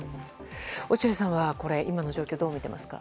落合さんは、今の状況どう見ていますか？